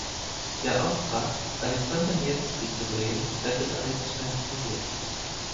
Der Auftrag, "Alexander Newski" zu drehen, rettete Eisensteins Karriere.